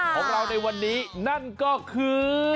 ของเราในวันนี้นั่นก็คือ